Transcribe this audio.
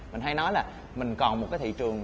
mình hay nói là mình còn một cái thị trường